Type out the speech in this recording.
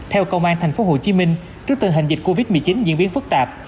theo công an thành phố hồ chí minh trước tình hình dịch covid một mươi chín diễn biến phức tạp